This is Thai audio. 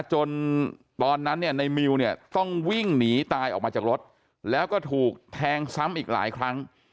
ตอนนั้นเนี่ยในมิวเนี่ยต้องวิ่งหนีตายออกมาจากรถแล้วก็ถูกแทงซ้ำอีกหลายครั้ง